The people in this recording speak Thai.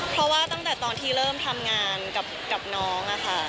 เพราะว่าตั้งแต่ตอนที่เริ่มทำงานกับน้องค่ะ